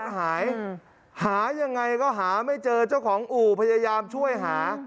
หาหายังไงก็หาไม่เจอเจ้าของอู่พยายามช่วยหา